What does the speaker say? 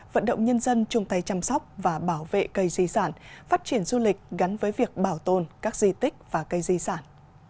vận động nhân dân chung tay chăm sóc và bảo vệ cây di sản phát triển du lịch gắn với việc bảo tồn các di tích và cây di sản